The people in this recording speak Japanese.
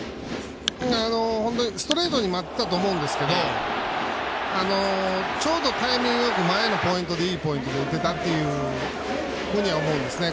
ストレートを待ってたと思うんですけどちょうどタイミングよく前のポイントでいいポイントで打てたというふうには思うんですね。